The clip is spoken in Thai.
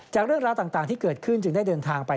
เรื่องราวต่างที่เกิดขึ้นจึงได้เดินทางไป